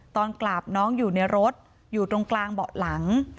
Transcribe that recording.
ตอนกราบน้องอยู่ในรถอยู่ตรงกลางเบาะหลัง